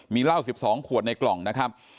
มีเหล้า๑๒ขวดในกล่องนะครับ